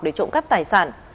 để trộm cắp tài sản